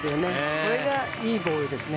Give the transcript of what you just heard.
これがいいボールですね。